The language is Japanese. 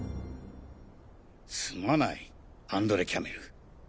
すまないアンドレ・キャメル。